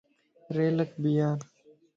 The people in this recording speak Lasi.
ريلک ڀيار